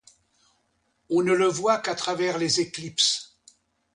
On ne le voit qu’à travers les éclipses.